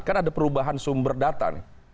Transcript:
kan ada perubahan sumber data nih